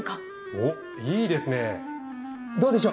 おっいいですねどうでしょう？